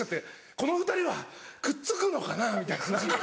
この２人はくっつくのかなみたいな何か。